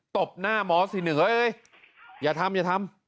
ตบหน้ามอสสิเหนื่อยอย่าทำอย่าทำ